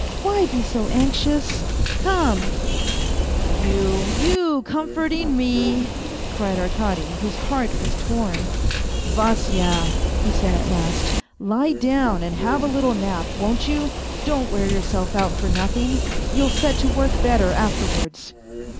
" Why be so anxious ? Come !"" You, you comforting me !" cried Arkady, whose heart was torn. " Vasya," he said at last, " lie down and have a little nap, won't you ? Don't wear yourself out for nothing I You'll set to work better afterwards."